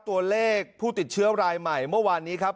ตัวเลขผู้ติดเชื้อรายใหม่เมื่อวานนี้ครับ